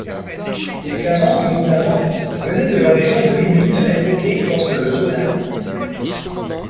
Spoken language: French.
Les Flamands, notamment, venaient de la région de Menin l'invoquer contre le Zona.